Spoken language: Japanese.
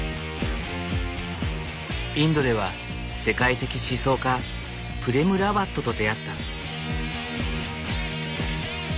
インドでは世界的思想家プレム・ラワットと出会った。